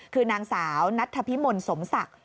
คือนางสาวนัทธพิมลสมศักดิ์